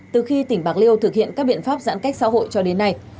từ khi tỉnh bạc liêu thực hiện các biện pháp giãn cách xã hội cho đến nay